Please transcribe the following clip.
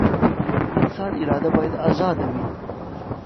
د انسان اراده بايد ازاده وي.